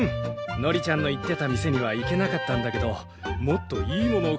のりちゃんの言ってた店には行けなかったんだけどもっといいものを買えたんだ。